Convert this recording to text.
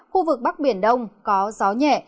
khu vực bắc biển đông có gió nhẹ